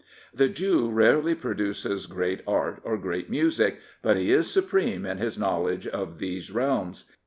The Jew rarely pro duces great art or great music; but he is supreme in his knowledge of those realms.